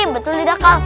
betul tidak kal